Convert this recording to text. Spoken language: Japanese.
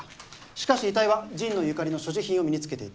しかし遺体は神野由香里の所持品を身につけていた。